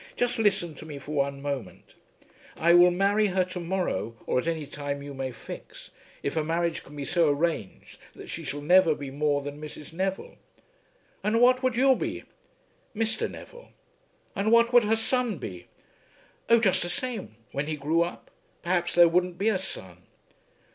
"Just listen to me for one moment. I will marry her to morrow, or at any time you may fix, if a marriage can be so arranged that she shall never be more than Mrs. Neville." "And what would you be?" "Mr. Neville." "And what would her son be?" "Oh; just the same, when he grew up. Perhaps there wouldn't be a son."